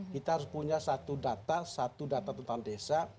kita harus punya satu data satu data tentang desa